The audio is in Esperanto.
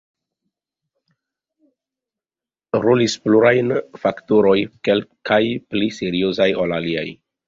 Rolis pluraj faktoroj, kelkaj pli seriozaj ol aliaj.